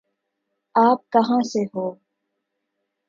آپ کہاں سے ہوں؟